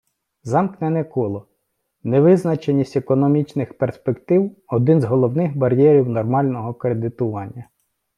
Замкнене коло Невизначеність економічних перспектив — один з головних бар'єрів нормального кредитування.